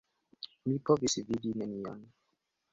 Mi povis vidi nenion.